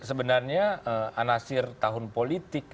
sebenarnya anasir tahun politik